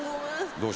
どうして？